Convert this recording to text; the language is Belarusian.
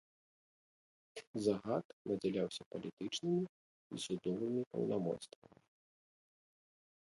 Загад надзяляўся палітычнымі і судовымі паўнамоцтвамі.